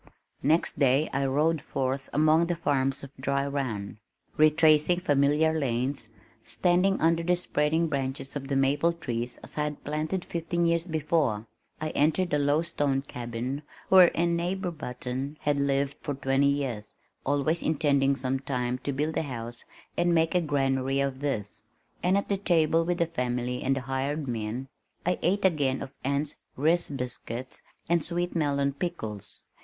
Next day I rode forth among the farms of Dry Run, retracing familiar lanes, standing under the spreading branches of the maple trees I had planted fifteen years before. I entered the low stone cabin wherein Neighbor Button had lived for twenty years (always intending sometime to build a house and make a granary of this), and at the table with the family and the hired men, I ate again of Ann's "riz" biscuit and sweet melon pickles.